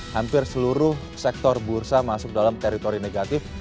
hampir seluruh sektor bursa masuk dalam teritori negatif